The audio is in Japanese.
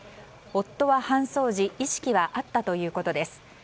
夫は搬送時意識はあったということです。